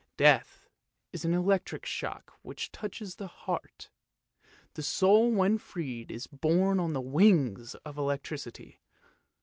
Death is an electric shock which touches the heart; the soul when freed is borne on the wings of electricity.